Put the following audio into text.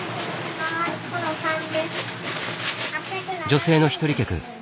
女性の一人客。